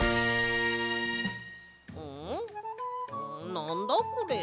なんだこれ？